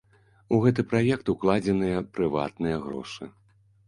У гэты праект укладзеныя прыватныя грошы.